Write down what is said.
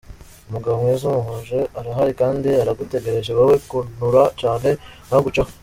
Umugabo mwiza, muhuje arahari kandi aragutegereje wowe kanura cyane ntaguceho.